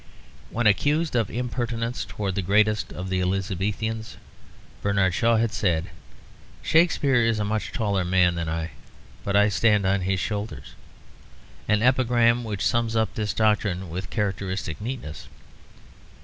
When accused of impertinence towards the greatest of the Elizabethans, Bernard Shaw had said, "Shakespeare is a much taller man than I, but I stand on his shoulders" an epigram which sums up this doctrine with characteristic neatness.